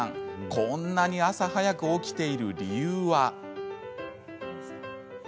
こんなに朝早く起きている理由は。